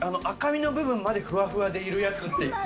赤身の部分までふわふわでいるやつって。